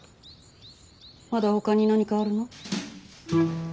まだほかに何かあるの？